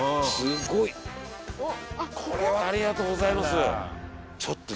これはありがとうございます。